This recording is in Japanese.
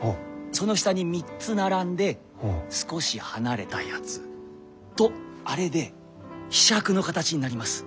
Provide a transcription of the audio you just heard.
その下に３つ並んで少し離れたやつとあれで柄杓の形になります。